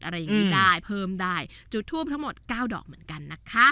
อะไรอย่างนี้ได้เพิ่มได้จุดทูปทั้งหมดเก้าดอกเหมือนกันนะคะ